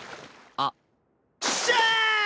あっ。